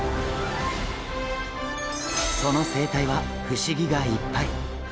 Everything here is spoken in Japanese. その生態は不思議がいっぱい。